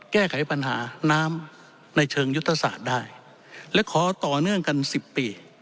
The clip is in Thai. แก้ไขปัญหาน้ำในเชิงยุทธศาสตร์ได้และขอต่อเนื่องกันสิบปี